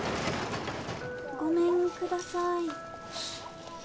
・ごめんください。